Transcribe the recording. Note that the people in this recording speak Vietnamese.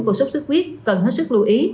của sốt sốt huyết cần hết sức lưu ý